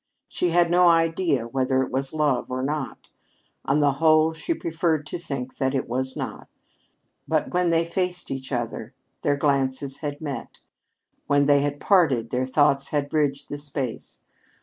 She had no idea whether it was love or not. On the whole, she preferred to think that it was not. But when they faced each other, their glances had met. When they had parted, their thoughts had bridged the space.